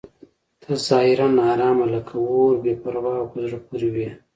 ته ظاهراً ناارامه لکه اور بې پروا او په زړه پورې وې.